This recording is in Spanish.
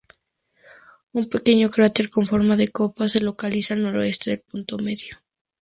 Un pequeño cráter con forma de copa se localiza al noroeste del punto medio.